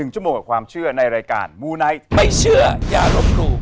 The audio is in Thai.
ชั่วโมงกว่าความเชื่อในรายการมูไนท์ไม่เชื่ออย่าลบหลู่